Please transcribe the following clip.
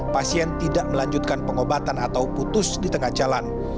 pasien tidak melanjutkan pengobatan atau putus di tengah jalan